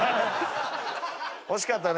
惜しかったね。